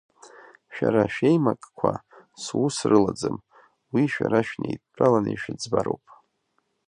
Шәара шәеимакқәа сус рылаӡам, уи шәара шәнеидтәаланы ишәыӡбароуп!